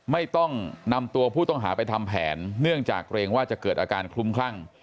ไม่ต้องนำตัวผู้ต้องหาไปทำแผนเนื่องจากเกรงว่าจะเกิดอาการคลุ้มคลั่ง